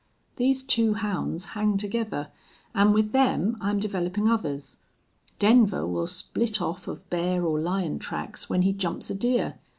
These two hounds hang together, an' with them I'm developin' others. Denver will split off of bear or lion tracks when he jumps a deer.